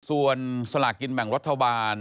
ส่วนสลากกินแบ่งรัฐบาล